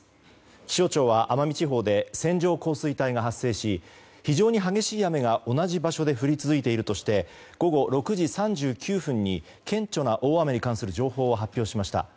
気象庁は、奄美地方で線状降水帯が発生し非常に激しい雨が同じ場所で降り続いているとして午後６時３９分に顕著な大雨に関する情報を発表しました。